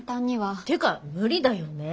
ていうか無理だよねえ。